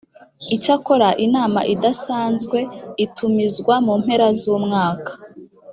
Icyakora inama idasanzwe itumizwa mu mpera z umwaka